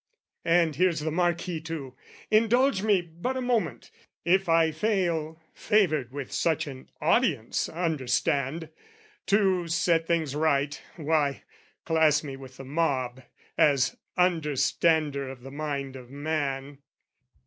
And here's the Marquis too! Indulge me but a moment: if I fail Favoured with such an audience, understand! To set things right, why, class me with the mob As understander of the mind of man!